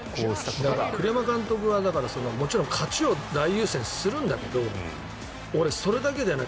栗山監督はもちろん勝ちを優先するんだけどそれだけではない。